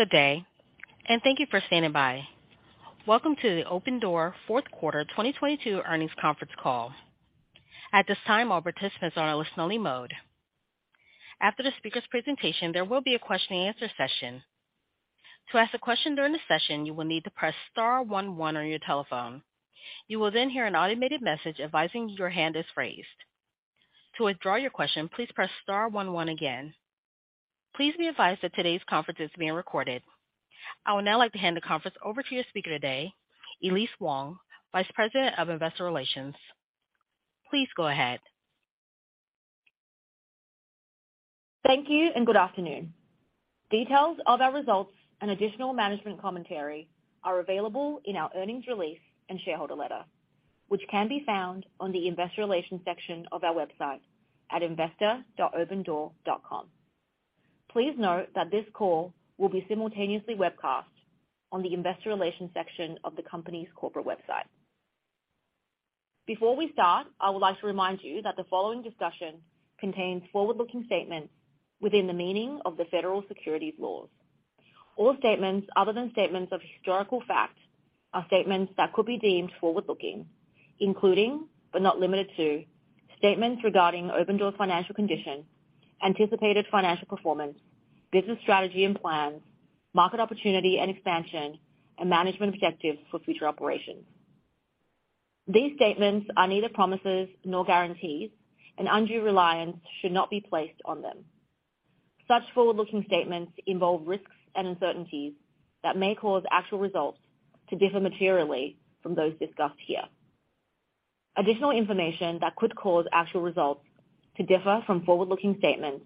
Good day, thank you for standing by. Welcome to the Opendoor Fourth Quarter 2022 Earnings Conference Call. At this time, all participants are in listen only mode. After the speaker's presentation, there will be a question and answer session. To ask a question during the session, you will need to press star 11 on your telephone. You will hear an automated message advising your hand is raised. To withdraw your question, please press star 11 again. Please be advised that today's conference is being recorded. I would now like to hand the conference over to your speaker today, Elise Wang, Vice President of Investor Relations. Please go ahead. Thank you. Good afternoon. Details of our results and additional management commentary are available in our earnings release and shareholder letter, which can be found on the investor relation section of opendoor.com. Please note that this call will be simultaneously webcast on the investor relations section of the company's corporate website. Before we start, I would like to remind you that the following discussion contains forward-looking statements within the meaning of the federal securities laws. All statements other than statements of historical fact are statements that could be deemed forward-looking, including, but not limited to, statements regarding Opendoor's financial condition, anticipated financial performance, business strategy and plans, market opportunity and expansion, and management objectives for future operations. These statements are neither promises nor guarantees. Undue reliance should not be placed on them. Such forward-looking statements involve risks and uncertainties that may cause actual results to differ materially from those discussed here. Additional information that could cause actual results to differ from forward-looking statements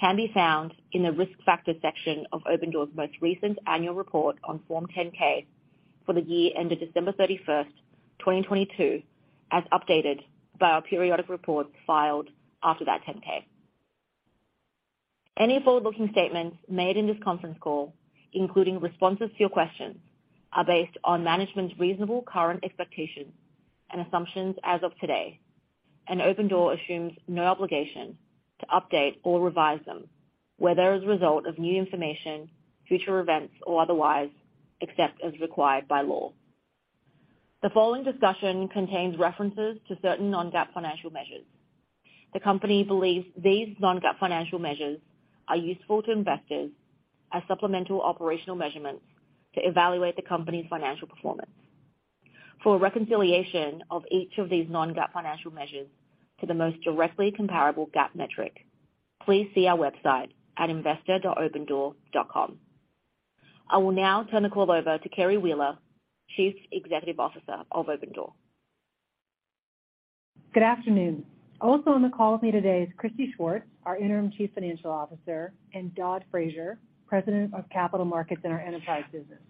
can be found in the Risk Factors section of Opendoor's most recent annual report on Form 10-K for the year ended December 31st, 2022, as updated by our periodic reports filed after that 10-K. Any forward-looking statements made in this conference call, including responses to your questions, are based on management's reasonable current expectations and assumptions as of today, and Opendoor assumes no obligation to update or revise them, whether as a result of new information, future events, or otherwise, except as required by law. The following discussion contains references to certain non-GAAP financial measures. The company believes these non-GAAP financial measures are useful to investors as supplemental operational measurements to evaluate the company's financial performance. For a reconciliation of each of these non-GAAP financial measures to the most directly comparable GAAP metric, please see our website at investor.opendoor.com. I will now turn the call over to Carrie Wheeler, Chief Executive Officer of Opendoor. Good afternoon. Also on the call with me today is Christy Schwartz, our Interim Chief Financial Officer, and Dod Fraser, President of Capital Markets in our enterprise business.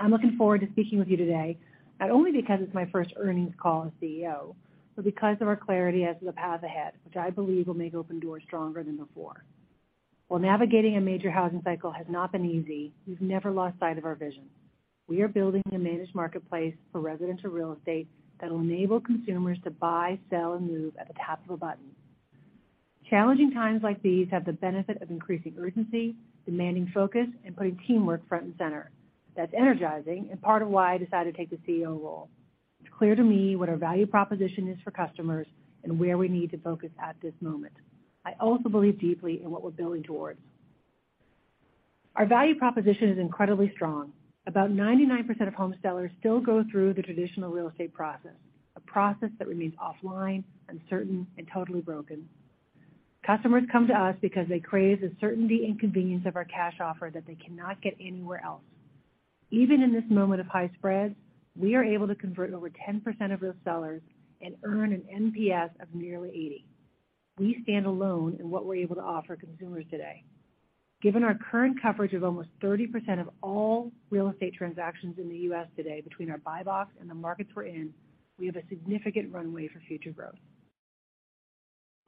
I'm looking forward to speaking with you today, not only because it's my first earnings call as Chief Executive Officer, but because of our clarity as to the path ahead, which I believe will make Opendoor stronger than before. While navigating a major housing cycle has not been easy, we've never lost sight of our vision. We are building a managed marketplace for residential real estate that will enable consumers to buy, sell, and move at the tap of a button. Challenging times like these have the benefit of increasing urgency, demanding focus, and putting teamwork front and center. That's energizing and part of why I decided to take the Chief Executive Officer role. It's clear to me what our value proposition is for customers and where we need to focus at this moment. I also believe deeply in what we're building towards. Our value proposition is incredibly strong. About 99% of home sellers still go through the traditional real estate process, a process that remains offline, uncertain, and totally broken. Customers come to us because they crave the certainty and convenience of our cash offer that they cannot get anywhere else. Even in this moment of high spreads, we are able to convert over 10% of those sellers and earn an NPS of nearly 80. We stand alone in what we're able to offer consumers today. Given our current coverage of almost 30% of all real estate transactions in the U.S. today between our buy box and the markets we're in, we have a significant runway for future growth.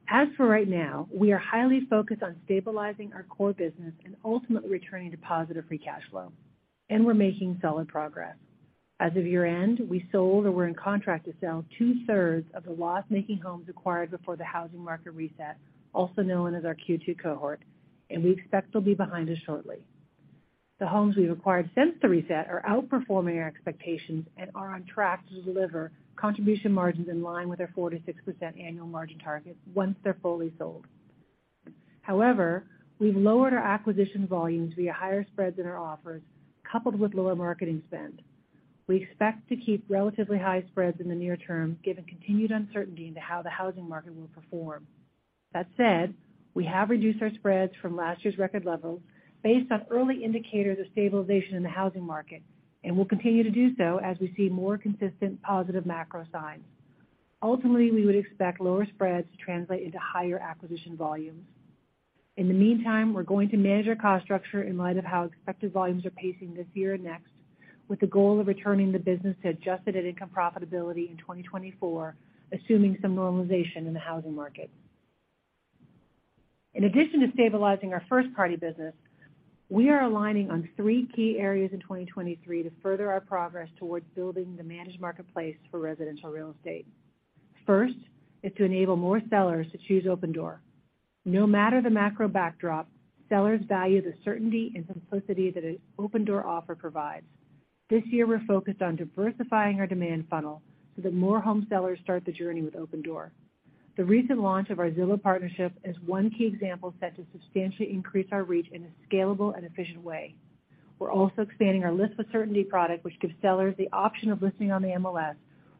As for right now, we are highly focused on stabilizing our core business and ultimately returning to positive free cash flow, and we're making solid progress. As of year-end, we sold or were in contract to sell two-thirds of the loss-making homes acquired before the housing market reset, also known as our Q2 cohort, and we expect they'll be behind us shortly. The homes we've acquired since the reset are outperforming our expectations and are on track to deliver contribution margins in line with our 4%-6% annual margin targets once they're fully sold. However, we've lowered our acquisition volumes via higher spreads in our offers coupled with lower marketing spend. We expect to keep relatively high spreads in the near term given continued uncertainty into how the housing market will perform. We have reduced our spreads from last year's record levels based on early indicators of stabilization in the housing market, and we'll continue to do so as we see more consistent positive macro signs. We would expect lower spreads to translate into higher acquisition volumes. We're going to manage our cost structure in light of how expected volumes are pacing this year and next, with the goal of returning the business to adjusted income profitability in 2024, assuming some normalization in the housing market. Stabilizing our first-party business, we are aligning on three key areas in 2023 to further our progress towards building the managed marketplace for residential real estate. First is to enable more sellers to choose Opendoor. No matter the macro backdrop, sellers value the certainty and simplicity that an Opendoor offer provides. This year, we're focused on diversifying our demand funnel so that more home sellers start the journey with Opendoor. The recent launch of our Zillow partnership is one key example set to substantially increase our reach in a scalable and efficient way. We're also expanding our List with Certainty product, which gives sellers the option of listing on the MLS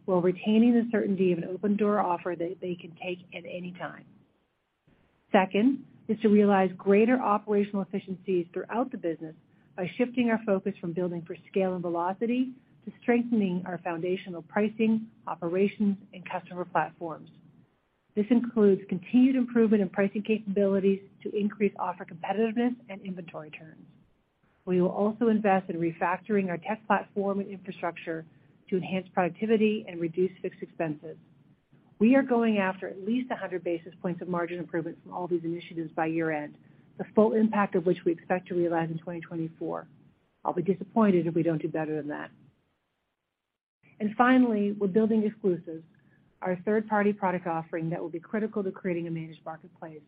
while retaining the certainty of an Opendoor offer that they can take at any time. Second is to realize greater operational efficiencies throughout the business by shifting our focus from building for scale and velocity to strengthening our foundational pricing, operations, and customer platforms. This includes continued improvement in pricing capabilities to increase offer competitiveness and inventory turns. We will also invest in refactoring our tech platform and infrastructure to enhance productivity and reduce fixed expenses. We are going after at least 100 basis points of margin improvement from all these initiatives by year-end, the full impact of which we expect to realize in 2024. I'll be disappointed if we don't do better than that. Finally, we're building Exclusives, our third-party product offering that will be critical to creating a managed marketplace.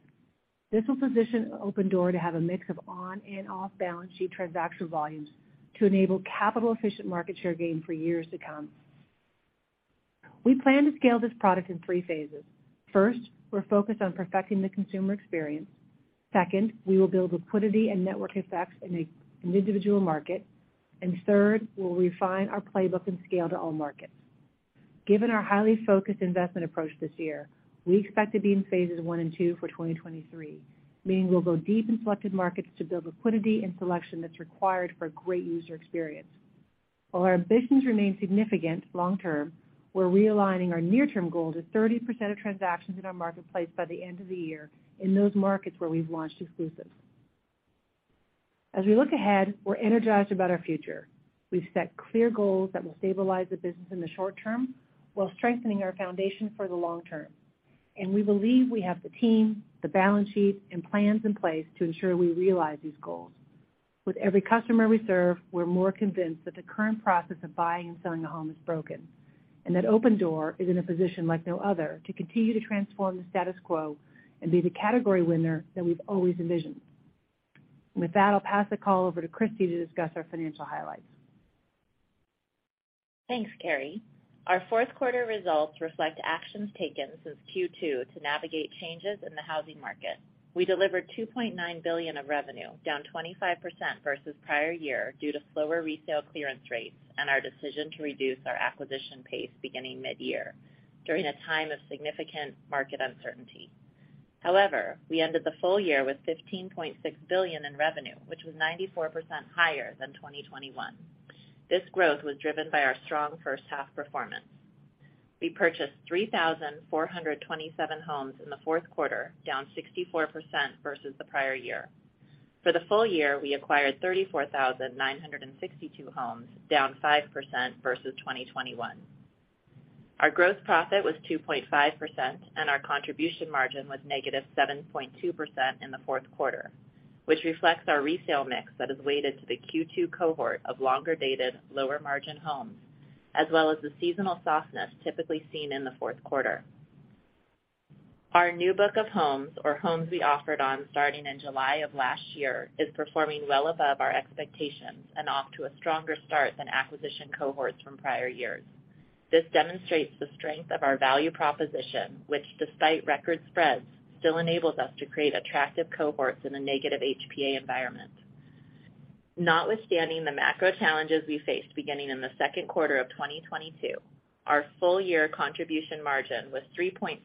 This will position Opendoor to have a mix of on and off-balance-sheet transaction volumes to enable capital-efficient market share gain for years to come. We plan to scale this product in three phases. First, we're focused on perfecting the consumer experience. Second, we will build liquidity and network effects in an individual market. Third, we'll refine our playbook and scale to all markets. Given our highly focused investment approach this year, we expect to be in phases one and two for 2023, meaning we'll go deep in selected markets to build liquidity and selection that's required for a great user experience. While our ambitions remain significant long term, we're realigning our near-term goal to 30% of transactions in our marketplace by the end of the year in those markets where we've launched Exclusives. As we look ahead, we're energized about our future. We've set clear goals that will stabilize the business in the short term while strengthening our foundation for the long term, and we believe we have the team, the balance sheet, and plans in place to ensure we realize these goals. With every customer we serve, we're more convinced that the current process of buying and selling a home is broken, and that Opendoor is in a position like no other to continue to transform the status quo and be the category winner that we've always envisioned. With that, I'll pass the call over to Christy to discuss our financial highlights. Thanks, Carrie. Our fourth quarter results reflect actions taken since Q2 to navigate changes in the housing market. We delivered $2.9 billion of revenue, down 25% versus prior year due to slower resale clearance rates and our decision to reduce our acquisition pace beginning midyear during a time of significant market uncertainty. We ended the full year with $15.6 billion in revenue, which was 94% higher than 2021. This growth was driven by our strong first half performance. We purchased 3,427 homes in the fourth quarter, down 64% versus the prior year. For the full year, we acquired 34,962 homes, down 5% versus 2021. Our gross profit was 2.5%, and our contribution margin was -7.2% in the fourth quarter, which reflects our resale mix that is weighted to the Q2 cohort of longer-dated, lower-margin homes, as well as the seasonal softness typically seen in the fourth quarter. Our new book of homes, or homes we offered on starting in July of last year, is performing well above our expectations and off to a stronger start than acquisition cohorts from prior years. This demonstrates the strength of our value proposition, which despite record spreads, still enables us to create attractive cohorts in a negative HPA environment. Notwithstanding the macro challenges we faced beginning in the second quarter of 2022, our full year contribution margin was 3.4%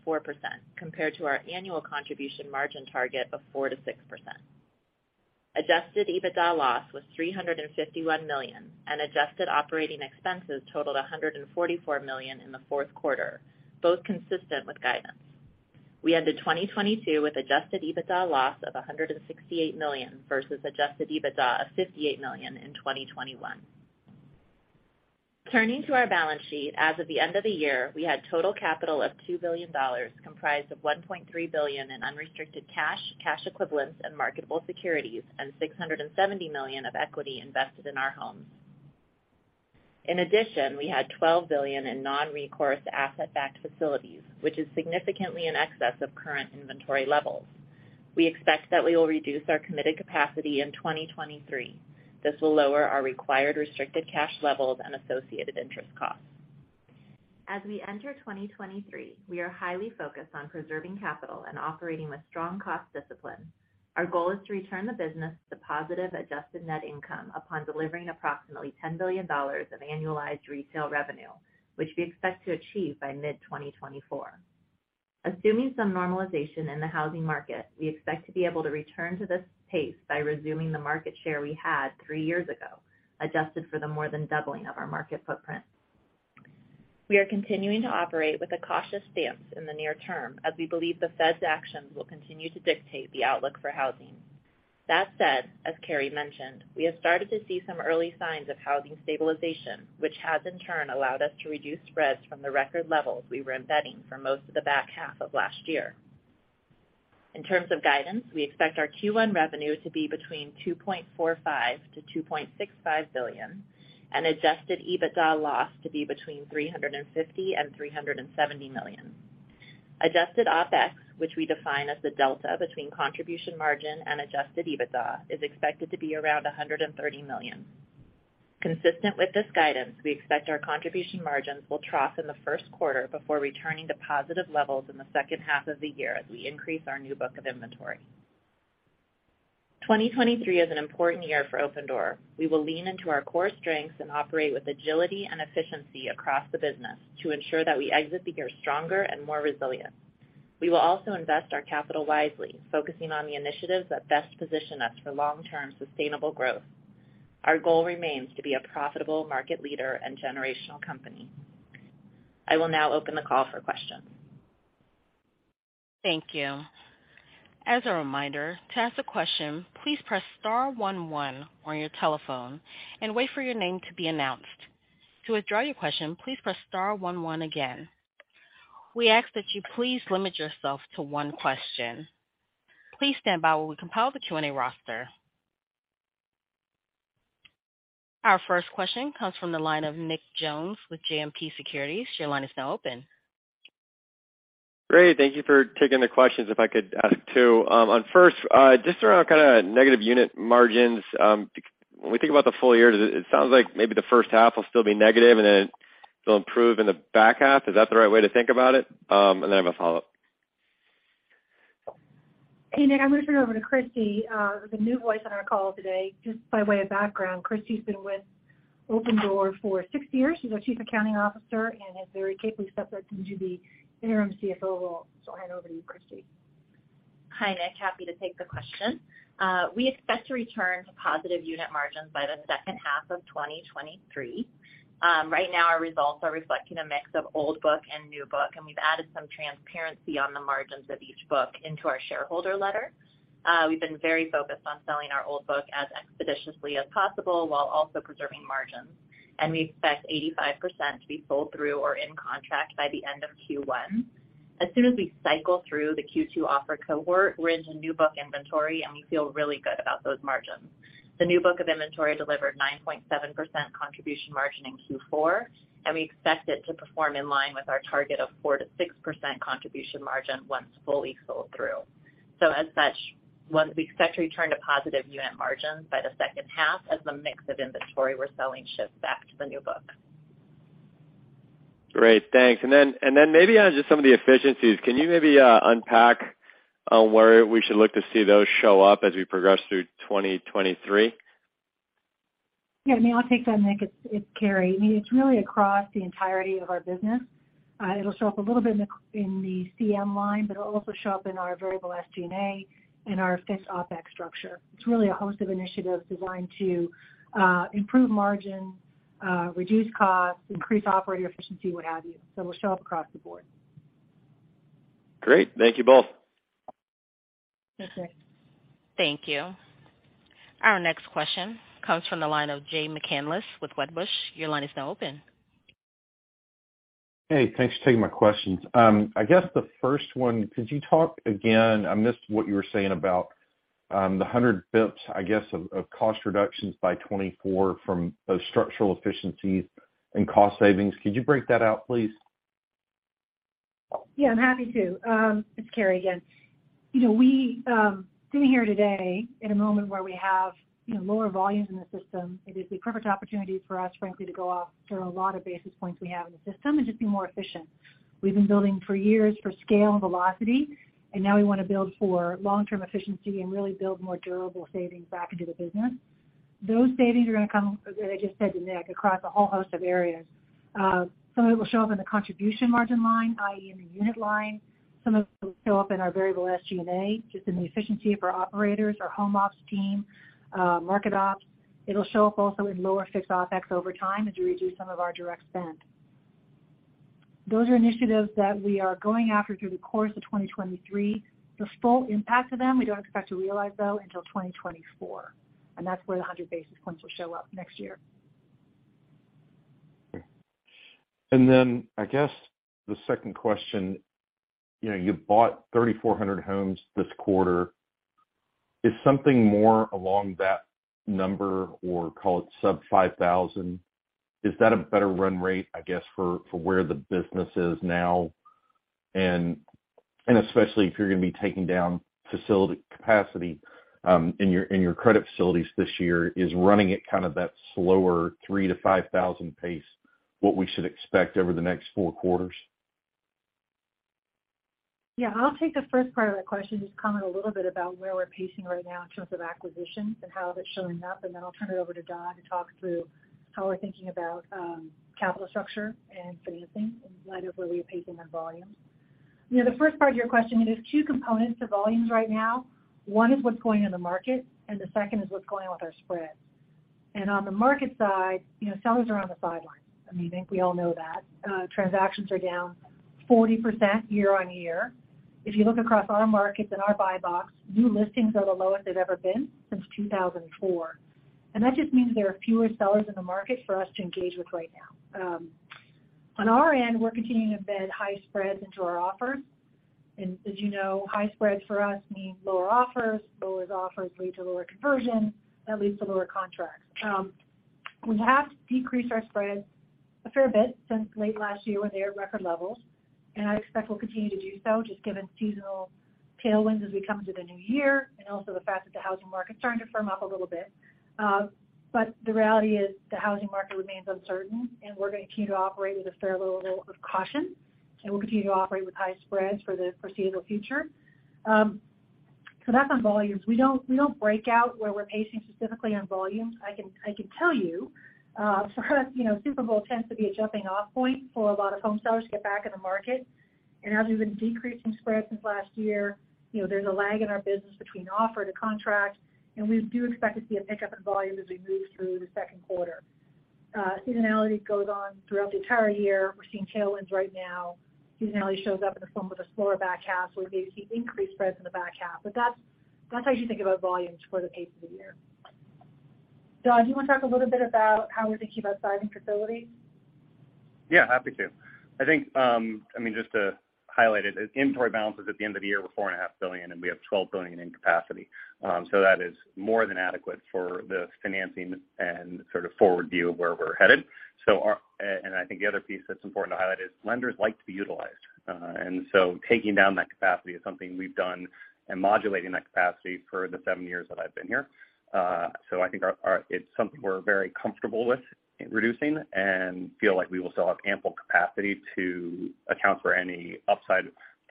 compared to our annual contribution margin target of 4%-6%. Adjusted EBITDA loss was $351 million, and adjusted operating expenses totaled $144 million in the fourth quarter, both consistent with guidance. We ended 2022 with adjusted EBITDA loss of $168 million versus adjusted EBITDA of $58 million in 2021. Turning to our balance sheet, as of the end of the year, we had total capital of $2 billion, comprised of $1.3 billion in unrestricted cash equivalents, and marketable securities, and $670 million of equity invested in our homes. We had $12 billion in non-recourse asset-backed facilities, which is significantly in excess of current inventory levels. We expect that we will reduce our committed capacity in 2023. This will lower our required restricted cash levels and associated interest costs. As we enter 2023, we are highly focused on preserving capital and operating with strong cost discipline. Our goal is to return the business to positive adjusted net income upon delivering approximately $10 billion of annualized retail revenue, which we expect to achieve by mid-2024. Assuming some normalization in the housing market, we expect to be able to return to this pace by resuming the market share we had three years ago, adjusted for the more than doubling of our market footprint. We are continuing to operate with a cautious stance in the near term as we believe the Fed's actions will continue to dictate the outlook for housing. That said, as Carrie Wheeler mentioned, we have started to see some early signs of housing stabilization, which has in turn allowed us to reduce spreads from the record levels we were embedding for most of the back half of last year. In terms of guidance, we expect our Q1 revenue to be between $2.45 billion-$2.65 billion and adjusted EBITDA loss to be between $350 million and $370 million. Adjusted OpEx, which we define as the delta between contribution margin and adjusted EBITDA, is expected to be around $130 million. Consistent with this guidance, we expect our contribution margins will trough in the first quarter before returning to positive levels in the second half of the year as we increase our new book of inventory. 2023 is an important year for Opendoor. We will lean into our core strengths and operate with agility and efficiency across the business to ensure that we exit the year stronger and more resilient. We will also invest our capital wisely, focusing on the initiatives that best position us for long-term sustainable growth. Our goal remains to be a profitable market leader and generational company. I will now open the call for questions. Thank you. As a reminder, to ask a question, please press star one one on your telephone and wait for your name to be announced. To withdraw your question, please press star one one again. We ask that you please limit yourself to one question. Please stand by while we compile the Q&A roster. Our first question comes from the line of Nick Jones with JMP Securities. Your line is now open. Great. Thank you for taking the questions. If I could ask two, on first, just around kind of negative unit margins. When we think about the full year, it sounds like maybe the first half will still be negative and then it'll improve in the back half. Is that the right way to think about it? I have a follow-up. Hey, Nick. I'm gonna turn it over to Christy, the new voice on our call today. Just by way of background, Christy's been with Opendoor for 6 years. She's our Chief Accounting Officer and has very capably stepped up into the Interim Chief Financial Officer role. I'll hand over to you, Christy. Hi, Nick. Happy to take the question. We expect to return to positive unit margins by the second half of 2023. Right now our results are reflecting a mix of old book and new book, and we've added some transparency on the margins of each book into our shareholder letter. We've been very focused on selling our old book as expeditiously as possible while also preserving margins. We expect 85% to be sold through or in contract by the end of Q1. As soon as we cycle through the Q2 offered cohort, we're into new book inventory and we feel really good about those margins. The new book of inventory delivered 9.7% contribution margin in Q4, and we expect it to perform in line with our target of 4%-6% contribution margin once fully sold through. As such, once we expect to return to positive unit margins by the second half as the mix of inventory we're selling shifts back to the new book. Great. Thanks. Maybe on just some of the efficiencies, can you maybe unpack on where we should look to see those show up as we progress through 2023? Yeah, Nick, I'll take that. It's Carrie. I mean, it's really across the entirety of our business. It'll show up a little bit in the CM line, but it'll also show up in our variable SG&A and our fixed OpEx structure. It's really a host of initiatives designed to improve margin, reduce costs, increase operator efficiency, what have you. It'll show up across the board. Great. Thank you both. Thanks, Nick. Thank you. Our next question comes from the line of Jay McCanless with Wedbush. Your line is now open. Hey, thanks for taking my questions. I guess the first one, could you talk again, I missed what you were saying about, the 100 basis points, I guess, of cost reductions by 2024 from those structural efficiencies and cost savings. Could you break that out, please? Yeah, I'm happy to. It's Carrie again. You know, we, sitting here today in a moment where we have, you know, lower volumes in the system, it is the perfect opportunity for us, frankly, to go after a lot of basis points we have in the system and just be more efficient. We've been building for years for scale and velocity, and now we wanna build for long-term efficiency and really build more durable savings back into the business. Those savings are gonna come, as I just said to Nick, across a whole host of areas. Some of it will show up in the contribution margin line, i.e. in the unit line. Some of it will show up in our variable SG&A, just in the efficiency of our operators, our home ops team, market ops. It'll show up also in lower fixed OpEx over time as we reduce some of our direct spend. Those are initiatives that we are going after through the course of 2023. The full impact of them, we don't expect to realize though until 2024, That's where the 100 basis points will show up next year. I guess the second question, you know, you bought 3,400 homes this quarter. Is something more along that number or call it sub 5,000, is that a better run rate, I guess, for where the business is now? Especially if you're gonna be taking down facility capacity, in your credit facilities this year, is running at kind of that slower 3,000-5,000 pace what we should expect over the next four quarters? Yeah, I'll take the first part of that question, just comment a little bit about where we're pacing right now in terms of acquisitions and how that's showing up. Then I'll turn it over to Dod to talk through how we're thinking about capital structure and financing in light of where we are pacing on volume. You know, the first part of your question, it is two components to volumes right now. One is what's going in the market. The second is what's going on with our spreads. On the market side, you know, sellers are on the sidelines. I mean, I think we all know that. Transactions are down 40% year-over-year. If you look across our markets and our buy box, new listings are the lowest they've ever been since 2004. That just means there are fewer sellers in the market for us to engage with right now. On our end, we're continuing to embed high spreads into our offers. As you know, high spreads for us means lower offers, lower offers lead to lower conversion, that leads to lower contracts. We have decreased our spreads a fair bit since late last year when they were at record levels, and I expect we'll continue to do so just given seasonal tailwinds as we come to the new year and also the fact that the housing market is starting to firm up a little bit. The reality is the housing market remains uncertain, and we're gonna continue to operate with a fair level of caution, and we'll continue to operate with high spreads for the foreseeable future. Back on volumes. We don't break out where we're pacing specifically on volumes. I can tell you, for us, you know, Super Bowl tends to be a jumping-off point for a lot of home sellers to get back in the market. As we've been decreasing spreads since last year, you know, there's a lag in our business between offer to contract, and we do expect to see a pickup in volume as we move through the second quarter. Seasonality goes on throughout the entire year. We're seeing tailwinds right now. Seasonality shows up in the form of a slower back half, so we may see increased spreads in the back half. That's, that's how you think about volumes for the pace of the year. Dodd, do you wanna talk a little bit about how we're thinking about sizing facility? Yeah, happy to. I think, I mean, just to highlight it, the inventory balances at the end of the year were $4.5 billion, and we have $12 billion in capacity. That is more than adequate for the financing and sort of forward view of where we're headed. I think the other piece that's important to highlight is lenders like to be utilized. Taking down that capacity is something we've done and modulating that capacity for the 7 years that I've been here. I think our it's something we're very comfortable with reducing and feel like we will still have ample capacity to account for any upside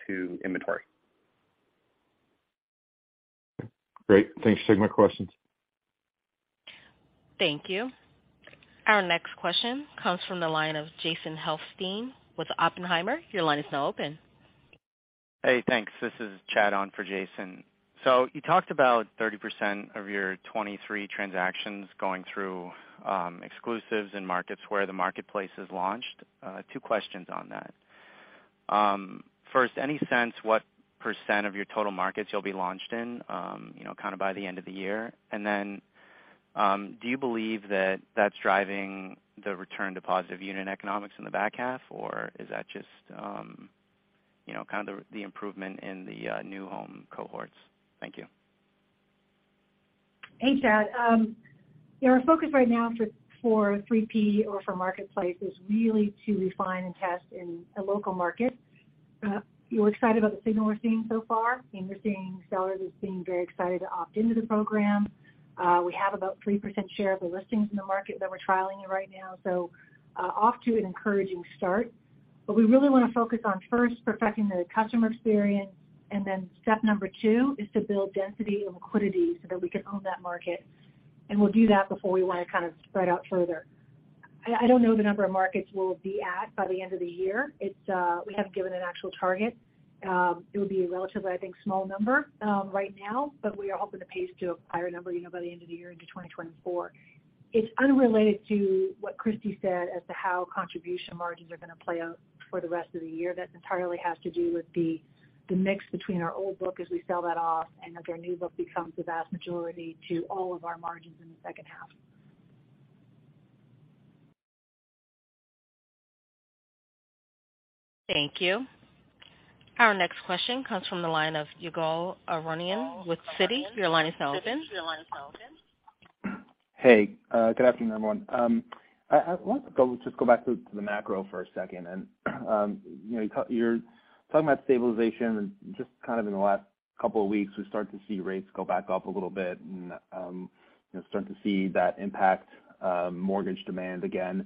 to inventory. Great. Thanks. That's all my questions. Thank you. Our next question comes from the line of Jason Helfstein with Oppenheimer. Your line is now open. Hey, thanks. This is Chad on for Jason. You talked about 30% of your 2023 transactions going through Exclusives in markets where the marketplace is launched. Two questions on that. First, any sense what percent of your total markets you'll be launched in, you know, kinda by the end of the year? Do you believe that that's driving the return to positive unit economics in the back half? Or is that just, you know, kind of the improvement in the new home cohorts? Thank you. Hey, Chad. Yeah, our focus right now for 3P or for marketplace is really to refine and test in a local market. We're excited about the signal we're seeing so far. I mean, we're seeing sellers as being very excited to opt into the program. We have about 3% share of the listings in the market that we're trialing in right now, off to an encouraging start. We really wanna focus on first perfecting the customer experience, step two is to build density and liquidity so that we can own that market. We'll do that before we wanna kind of spread out further. I don't know the number of markets we'll be at by the end of the year. It's. We haven't given an actual target. It would be a relatively, I think, small number right now, but we are hoping to pace to a higher number by the end of the year into 2024. It's unrelated to what Christy said as to how contribution margins are gonna play out for the rest of the year. That entirely has to do with the mix between our old book as we sell that off and as our new book becomes the vast majority to all of our margins in the second half. Thank you. Our next question comes from the line of Ygal Arounian with Citi. Your line is now open. Hey, good afternoon, everyone. I wanted to just go back to the macro for a second. You know, you're talking about stabilization and just kind of in the last couple of weeks, we're starting to see rates go back up a little bit and, you know, starting to see that impact, mortgage demand again.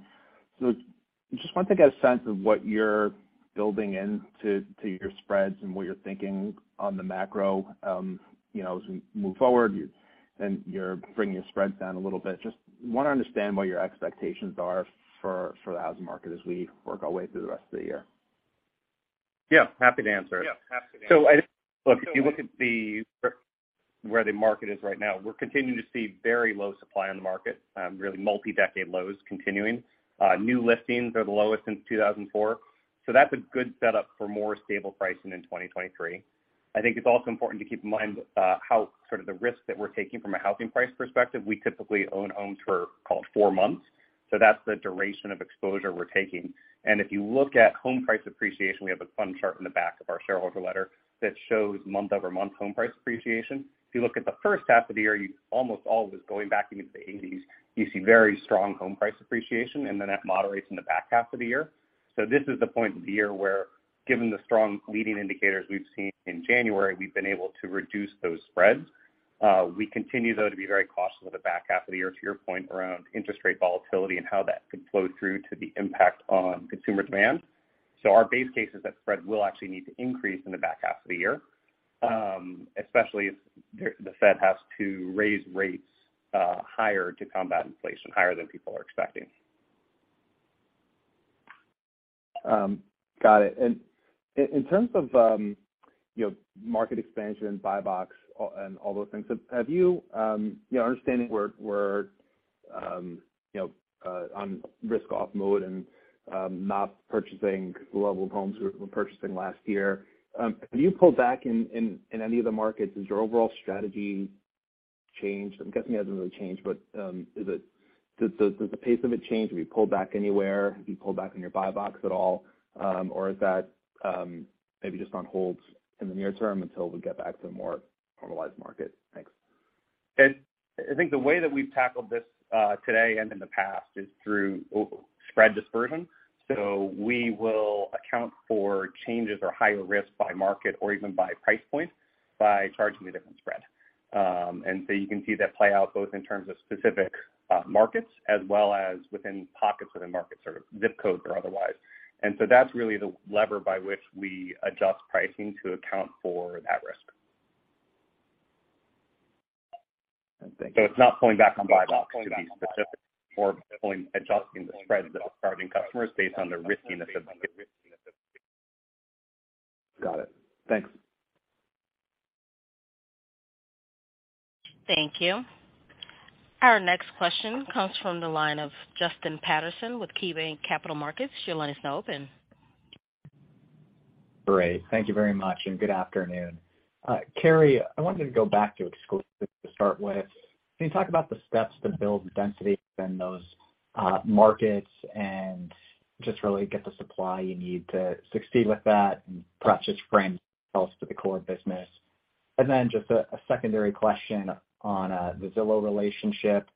Just wanted to get a sense of what you're building into your spreads and what you're thinking on the macro, you know, as we move forward, and you're bringing your spreads down a little bit. Just wanna understand what your expectations are for the housing market as we work our way through the rest of the year. Yeah, happy to answer it. Look, if you look at where the market is right now, we're continuing to see very low supply on the market, really multi-decade lows continuing. New listings are the lowest since 2004. That's a good setup for more stable pricing in 2023. I think it's also important to keep in mind how sort of the risk that we're taking from a housing price perspective. We typically own homes for, call it, 4 months, so that's the duration of exposure we're taking. If you look at home price appreciation, we have a fun chart in the back of our shareholder letter that shows month-over-month home price appreciation. If you look at the first half of the year, you almost always going back even into the eighties, you see very strong home price appreciation, and then that moderates in the back half of the year. This is the point of the year where, given the strong leading indicators we've seen in January, we've been able to reduce those spreads. We continue, though, to be very cautious of the back half of the year, to your point, around interest rate volatility and how that could flow through to the impact on consumer demand. Our base case is that spread will actually need to increase in the back half of the year, especially if the Fed has to raise rates higher to combat inflation higher than people are expecting. Got it. In terms of, you know, market expansion, buy box, and all those things, have you know, understanding we're, you know, on risk off mode and not purchasing the level of homes we were purchasing last year, pulled back in any of the markets? Is your overall strategy Change, I'm guessing it hasn't really changed, but does the pace of it change? Have you pulled back anywhere? Have you pulled back on your buy box at all? Or is that maybe just on hold in the near term until we get back to a more normalized market? Thanks. I think the way that we've tackled this today and in the past is through spread dispersion. We will account for changes or higher risk by market or even by price point by charging a different spread. You can see that play out both in terms of specific markets as well as within pockets of the market, sort of zip codes or otherwise. That's really the lever by which we adjust pricing to account for that risk. Thank you. It's not pulling back on buy box to be specific. More pulling, adjusting the spreads that are charging customers based on the riskiness of the. Got it. Thanks. Thank you. Our next question comes from the line of Justin Patterson with KeyBanc Capital Markets. Your line is now open. Great. Thank you very much, and good afternoon. Carrie, I wanted to go back to Exclusive to start with. Can you talk about the steps to build density within those markets and just really get the supply you need to succeed with that and perhaps just frame results for the core business? Just a secondary question on the Zillow relationship.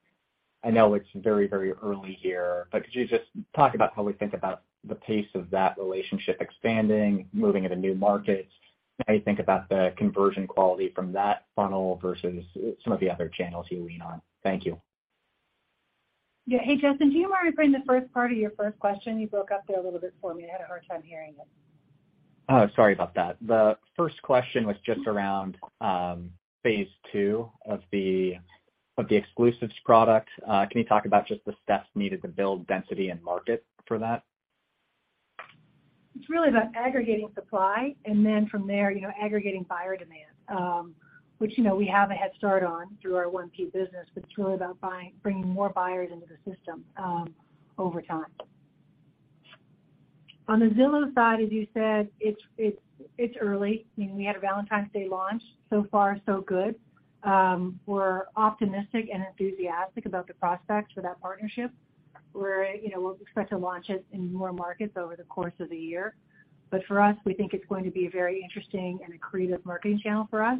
I know it's very, very early here, but could you just talk about how we think about the pace of that relationship expanding, moving into new markets? How you think about the conversion quality from that funnel versus some of the other channels you lean on? Thank you. Yeah. Hey, Justin, do you mind repeating the first part of your first question? You broke up there a little bit for me. I had a hard time hearing it. Sorry about that. The first question was just around phase two of the Exclusives product. Can you talk about just the steps needed to build density and market for that? It's really about aggregating supply and then from there, you know, aggregating buyer demand, which, you know, we have a head start on through our 1P business, but it's really about buying, bringing more buyers into the system, over time. On the Zillow side, as you said, it's early. I mean, we had a Valentine's Day launch. Far so good. We're optimistic and enthusiastic about the prospects for that partnership, where, you know, we'll expect to launch it in more markets over the course of the year. For us, we think it's going to be a very interesting and creative marketing channel for us,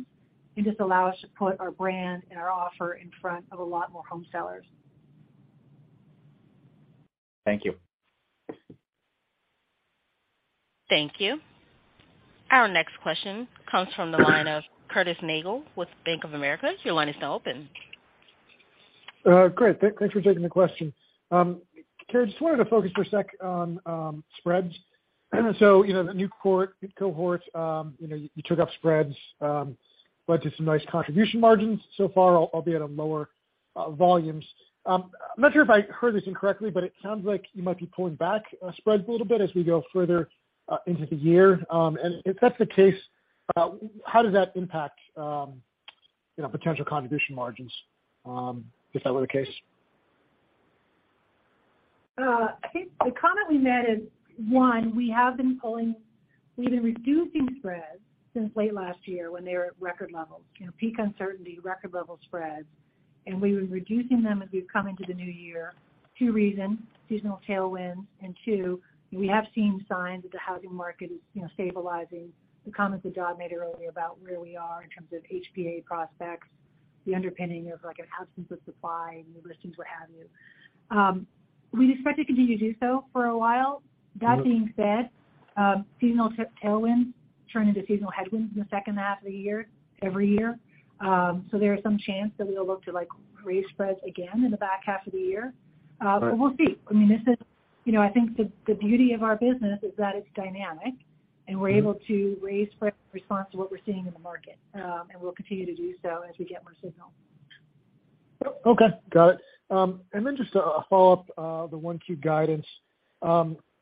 and just allow us to put our brand and our offer in front of a lot more home sellers. Thank you. Thank you. Our next question comes from the line of Curtis Nagle with Bank of America. Your line is now open. Great. Thanks for taking the question. Carrie, just wanted to focus for a sec on spreads. You know, the new cohort, you know, you took up spreads, led to some nice contribution margins so far, albeit on lower volumes. I'm not sure if I heard this incorrectly, but it sounds like you might be pulling back spreads a little bit as we go further into the year. If that's the case, how does that impact, you know, potential contribution margins, if that were the case? I think the comment we made is, one, we've been reducing spreads since late last year when they were at record levels. You know, peak uncertainty, record level spreads. We've been reducing them as we've come into the new year. Two reasons, seasonal tailwinds. Two, we have seen signs that the housing market is, you know, stabilizing. The comments that John made earlier about where we are in terms of HPA prospects, the underpinning of, like, an absence of supply, new listings, what have you. We'd expect to continue to do so for a while. Mm-hmm. That being said, seasonal tailwinds turn into seasonal headwinds in the second half of the year every year. There is some chance that we will look to, like, raise spreads again in the back half of the year. We'll see. I mean, this is, you know, I think the beauty of our business is that it's dynamic, and we're able to raise spreads in response to what we're seeing in the market. We'll continue to do so as we get more signal. Okay. Got it. Just a follow-up, the Q1 guidance.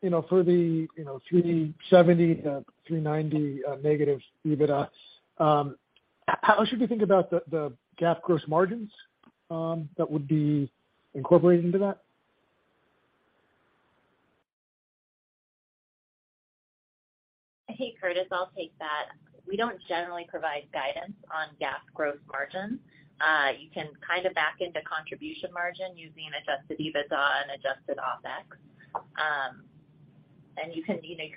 You know, for the, you know, $370 million to $390 million negative EBITDA, how should we think about the GAAP gross margins that would be incorporated into that? Hey, Curtis, I'll take that. We don't generally provide guidance on GAAP gross margins. You can kind of back into contribution margin using adjusted EBITDA and adjusted OpEx. You can, you know, you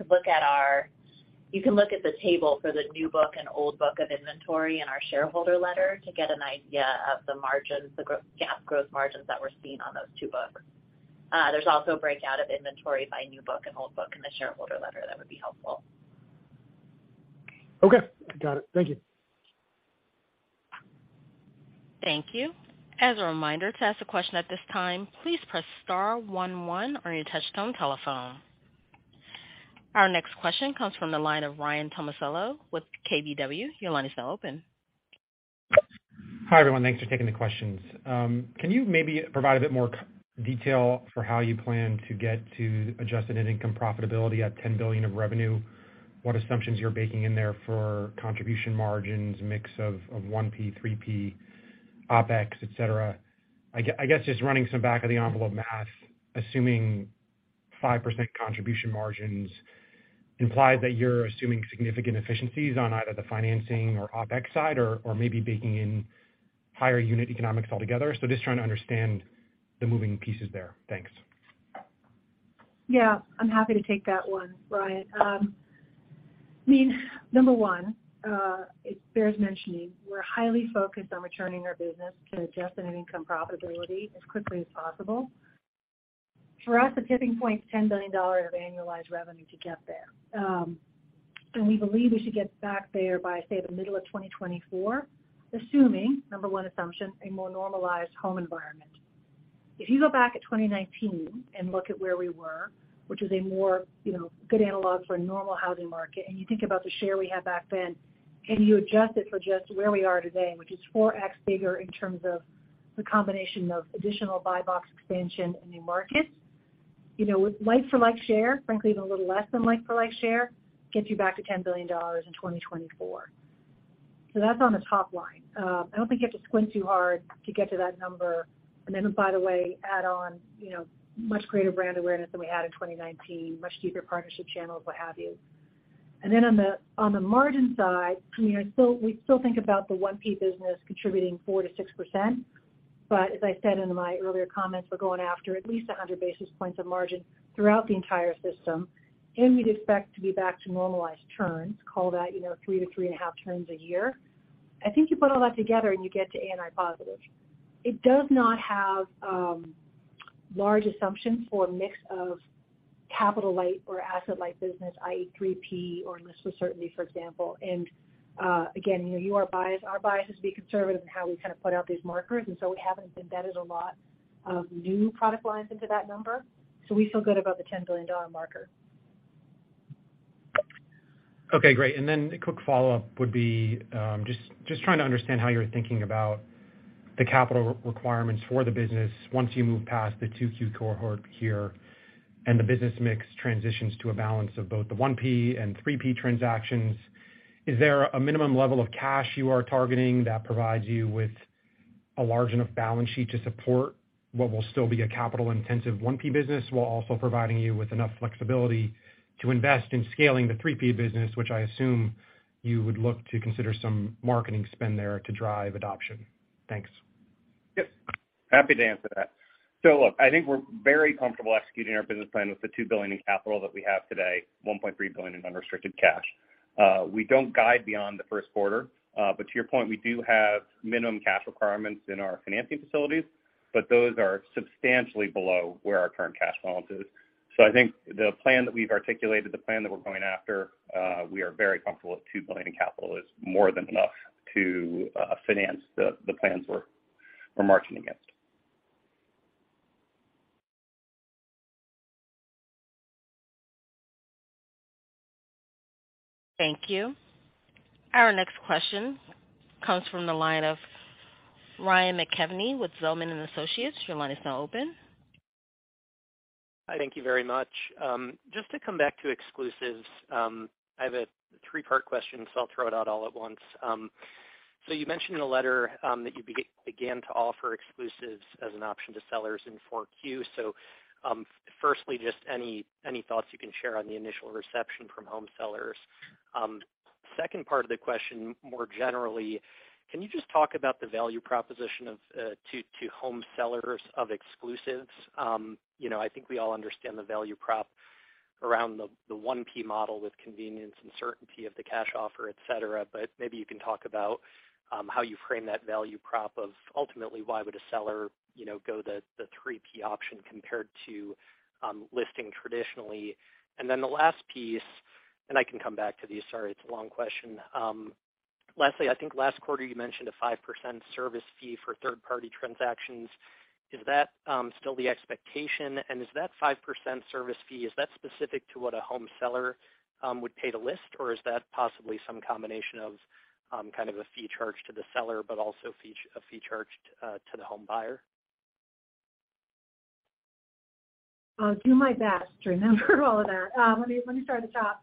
can look at the table for the new book and old book of inventory in our shareholder letter to get an idea of the margins, the GAAP gross margins that we're seeing on those two books. There's also a breakout of inventory by new book and old book in the shareholder letter that would be helpful. Okay. Got it. Thank you. Thank you. As a reminder, to ask a question at this time, please press star one one on your touchtone telephone. Our next question comes from the line of Ryan Tomasello with KBW. Your line is now open. Hi, everyone. Thanks for taking the questions. Can you maybe provide a bit more detail for how you plan to get to adjusted net income profitability at $10 billion of revenue? What assumptions you're baking in there for contribution margins, mix of 1P, 3P, OpEx, et cetera. I guess just running some back of the envelope math, assuming 5% contribution margins imply that you're assuming significant efficiencies on either the financing or OpEx side or maybe baking in higher unit economics altogether. Just trying to understand the moving pieces there. Thanks. Yeah, I'm happy to take that one, Ryan. I mean, number one, it bears mentioning, we're highly focused on returning our business to adjusted net income profitability as quickly as possible. For us, the tipping point is $10 billion of annualized revenue to get there. We believe we should get back there by, say, the middle of 2024, assuming, number one assumption, a more normalized home environment. If you go back at 2019 and look at where we were, which is a more, you know, good analog for a normal housing market, and you think about the share we had back then, and you adjust it for just where we are today, which is 4x bigger in terms of the combination of additional buy box expansion and new markets, you know, with like-for-like share, frankly, even a little less than like-for-like share, gets you back to $10 billion in 2024. That's on the top line. I don't think you have to squint too hard to get to that number. By the way, add on, you know, much greater brand awareness than we had in 2019, much deeper partnership channels, what have you. On the margin side, I mean, we still think about the 1P business contributing 4%-6%. As I said in my earlier comments, we're going after at least 100 basis points of margin throughout the entire system, and we'd expect to be back to normalized turns, call that, you know, 3-3.5 turns a year. I think you put all that together, and you get to ANI positive. It does not have large assumptions for a mix of capital-light or asset-light business, i.e., 3P or List with Certainty, for example. Again, you know, your bias, our bias is to be conservative in how we kind of put out these markers. We haven't embedded a lot of new product lines into that number. We feel good about the $10 billion marker. Okay, great. And then a quick follow-up would be, just trying to understand how you're thinking about the capital requirements for the business once you move past the Q2 cohort here and the business mix transitions to a balance of both the 1P and 3P transactions. Is there a minimum level of cash you are targeting that provides you with a large enough balance sheet to support what will still be a capital-intensive 1P business while also providing you with enough flexibility to invest in scaling the 3P business, which I assume you would look to consider some marketing spend there to drive adoption? Thanks. Yes. Happy to answer that. Look, I think we're very comfortable executing our business plan with the $2 billion in capital that we have today, $1.3 billion in unrestricted cash. We don't guide beyond the first quarter, but to your point, we do have minimum cash requirements in our financing facilities, but those are substantially below where our current cash balance is. I think the plan that we've articulated, the plan that we're going after, we are very comfortable with $2 billion in capital is more than enough to finance the plans we're marching against. Thank you. Our next question comes from the line of Ryan McKeveny with Zelman & Associates. Your line is now open. Thank you very much. Just to come back to Exclusives, I have a three-part question, so I'll throw it out all at once. You mentioned in the letter that you began to offer Exclusives as an option to sellers in 4Q. Firstly, just any thoughts you can share on the initial reception from home sellers. Second part of the question, more generally, can you just talk about the value proposition of to home sellers of Exclusives? You know, I think we all understand the value prop around the 1P model with convenience and certainty of the cash offer, et cetera. Maybe you can talk about how you frame that value prop of ultimately why would a seller, you know, go the 3P option compared to listing traditionally. The last piece, and I can come back to these. Sorry, it's a long question. Lastly, I think last quarter you mentioned a 5% service fee for third-party transactions. Is that still the expectation? Is that 5% service fee, is that specific to what a home seller would pay to list, or is that possibly some combination of, kind of a fee charged to the seller, but also a fee charged to the home buyer? I'll do my best to remember all of that. Let me start at the top.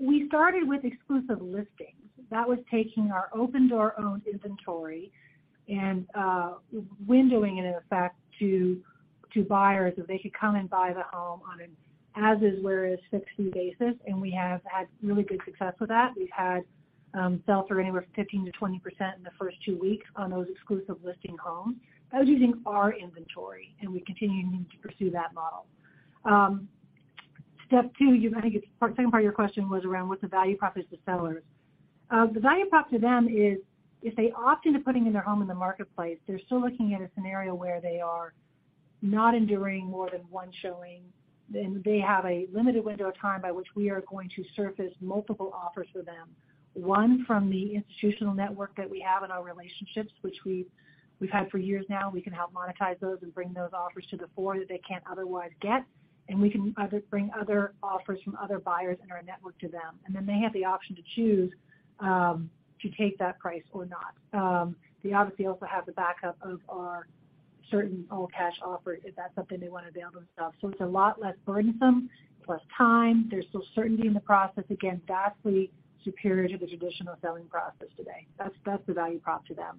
We started with exclusive listings. That was taking our Opendoor-owned inventory and windowing it, in effect, to buyers that they could come and buy the home on an as-is-where-is fixed fee basis. We have had really good success with that. We've had sell through anywhere from 15%-20% in the first two weeks on those exclusive listing homes. That was using our inventory, and we continue to pursue that model. Step two, I think it's the second part of your question was around what the value prop is to sellers. The value prop to them is if they opt into putting in their home in the marketplace, they're still looking at a scenario where they are not enduring more than one showing, and they have a limited window of time by which we are going to surface multiple offers for them, one from the institutional network that we have in our relationships, which we've had for years now. We can help monetize those and bring those offers to the fore that they can't otherwise get. We can bring other offers from other buyers in our network to them. They have the option to choose to take that price or not. They obviously also have the backup of our certain all-cash offer if that's something they want to avail themselves. It's a lot less burdensome, plus time. There's still certainty in the process. Again, vastly superior to the traditional selling process today. That's the value prop to them.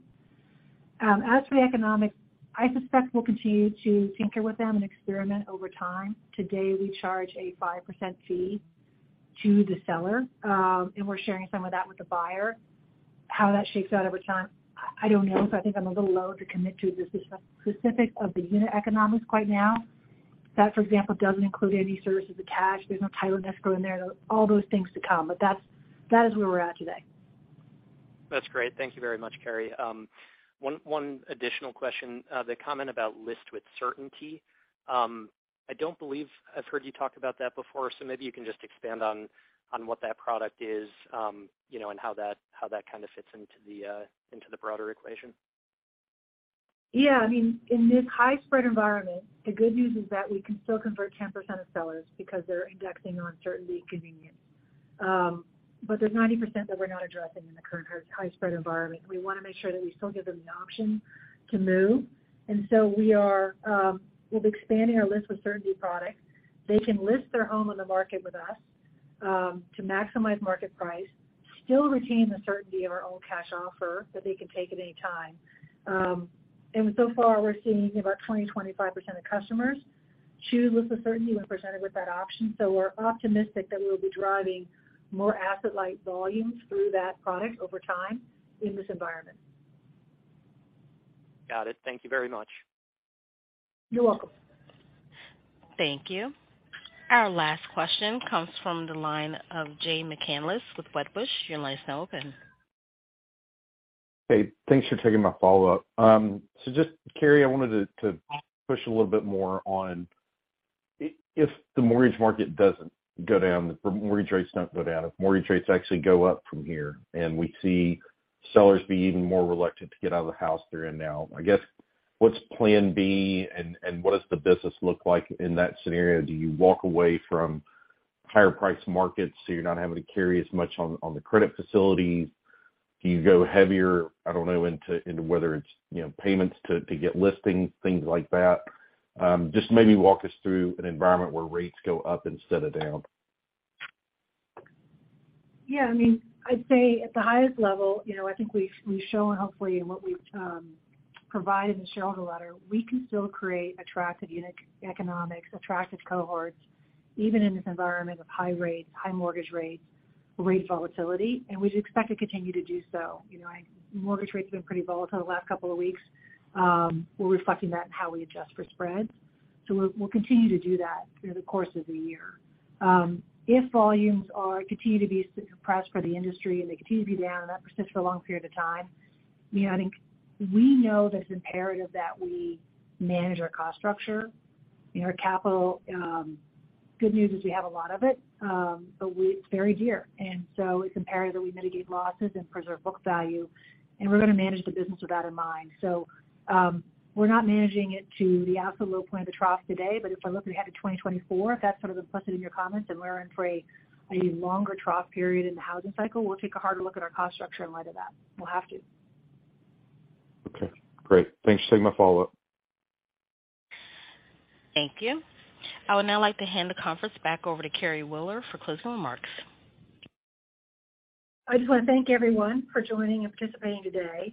As for the economics, I suspect we'll continue to tinker with them and experiment over time. Today, we charge a 5% fee to the seller, and we're sharing some of that with the buyer. How that shakes out over time, I don't know, so I think I'm a little low to commit to the spec-specific of the unit economics quite now. That, for example, doesn't include any services of cash. There's no title and escrow in there. All those things to come, but that is where we're at today. That's great. Thank you very much, Carrie. One additional question. The comment about List with Certainty. I don't believe I've heard you talk about that before, so maybe you can just expand on what that product is, you know, and how that kinda fits into the broader equation. I mean, in this high spread environment, the good news is that we can still convert 10% of sellers because they're indexing on certainty and convenience. There's 90% that we're not addressing in the current high spread environment. We wanna make sure that we still give them the option to move. We are, with expanding our List with Certainty products, they can list their home on the market with us, to maximize market price, still retain the certainty of our all-cash offer that they can take at any time. So far, we're seeing about 20%-25% of customers choose List with Certainty when presented with that option. We're optimistic that we'll be driving more asset-light volumes through that product over time in this environment. Got it. Thank you very much. You're welcome. Thank you. Our last question comes from the line of Jay McCanless with Wedbush. Your line's now open. Hey. Thanks for taking my follow-up. Just, Carrie, I wanted to push a little bit more on if the mortgage market doesn't go down, if the mortgage rates don't go down, if mortgage rates actually go up from here, and we see sellers be even more reluctant to get out of the house they're in now, I guess, what's plan B and what does the business look like in that scenario? Do you walk away from higher priced markets, so you're not having to carry as much on the credit facilities? Do you go heavier, I don't know, into whether it's, you know, payments to get listings, things like that? Just maybe walk us through an environment where rates go up instead of down. Yeah. I mean, I'd say at the highest level, you know, I think we've shown, hopefully, in what we've provided in the shareholder letter, we can still create attractive unit economics, attractive cohorts, even in this environment of high rates, high mortgage rates, rate volatility, and we expect to continue to do so. You know, mortgage rates have been pretty volatile the last couple of weeks. We're reflecting that in how we adjust for spreads. We'll continue to do that through the course of the year. If volumes are continue to be compressed for the industry and they continue to be down, and that persists for a long period of time, you know, I think we know that it's imperative that we manage our cost structure and our capital. Good news is we have a lot of it. It's very dear, it's imperative that we mitigate losses and preserve book value. We're gonna manage the business with that in mind. We're not managing it to the absolute low point of the trough today. If I look ahead to 2024, if that's sort of implicit in your comments and we're in for a longer trough period in the housing cycle, we'll take a harder look at our cost structure in light of that. We'll have to. Okay, great. Thanks for taking my follow-up. Thank you. I would now like to hand the conference back over to Carrie Wheeler for closing remarks. I just wanna thank everyone for joining and participating today.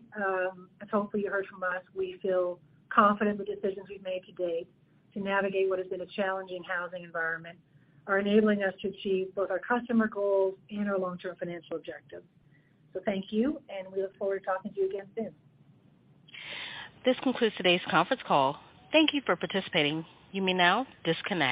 As hopefully you heard from us, we feel confident the decisions we've made to date to navigate what has been a challenging housing environment are enabling us to achieve both our customer goals and our long-term financial objectives. Thank you, and we look forward to talking to you again soon. This concludes today's conference call. Thank you for participating. You may now disconnect.